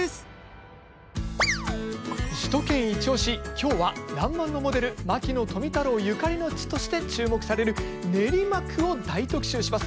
今日は「らんまん」のモデル牧野富太郎ゆかりの地として注目される練馬区を大特集します。